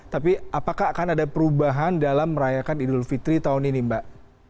tapi apakah akan ada perubahan dalam merayakan idul fitri tahun ini mbak